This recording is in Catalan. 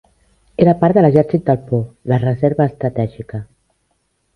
Era part de l'exèrcit del Po, la reserva estratègica.